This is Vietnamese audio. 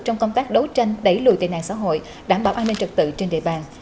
trong công tác đấu tranh đẩy lùi tệ nạn xã hội đảm bảo an ninh trật tự trên địa bàn